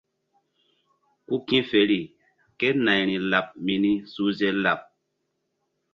Ku ki̧feri kénayri laɓ mini suhze laɓ.